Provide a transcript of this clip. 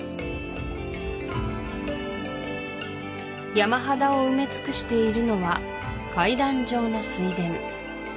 山肌を埋め尽くしているのは階段状の水田